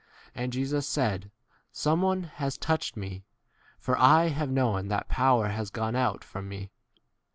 And Jesus said, Some one has touched me, for I have known that power has gone out 4 ? from me.